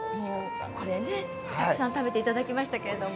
これね、たくさん食べていただきましたけれども。